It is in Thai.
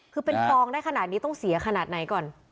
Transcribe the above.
คือเป็นฟองได้ขนาดนี้ต้องเสียขนาดไหนก่อน